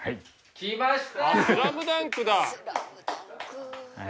きました！